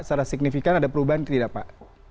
secara signifikan ada perubahan tidak pak